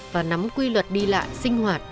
và nắm quy luật đi lại sinh hoạt